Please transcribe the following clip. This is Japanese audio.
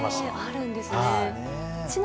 あるんですね。